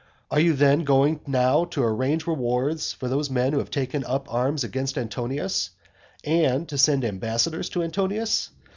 Are you then going now to arrange rewards for those men who have taken arms against Antonius, and to send ambassadors to Antonius?